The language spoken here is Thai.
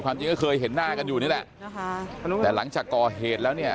จริงก็เคยเห็นหน้ากันอยู่นี่แหละนะคะแต่หลังจากก่อเหตุแล้วเนี่ย